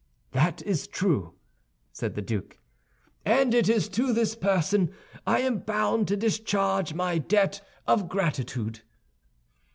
"That is true," said the duke; "and it is to this person I am bound to discharge my debt of gratitude."